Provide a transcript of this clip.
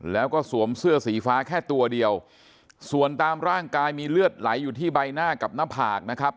แล้วก็สวมเสื้อสีฟ้าแค่ตัวเดียวส่วนตามร่างกายมีเลือดไหลอยู่ที่ใบหน้ากับหน้าผากนะครับ